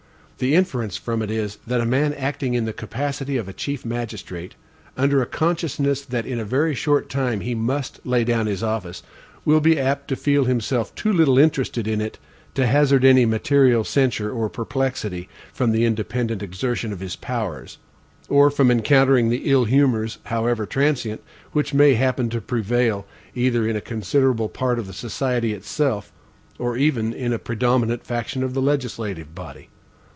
The inference from it is, that a man acting in the capacity of chief magistrate, under a consciousness that in a very short time he MUST lay down his office, will be apt to feel himself too little interested in it to hazard any material censure or perplexity, from the independent exertion of his powers, or from encountering the ill humors, however transient, which may happen to prevail, either in a considerable part of the society itself, or even in a predominant faction in the legislative body.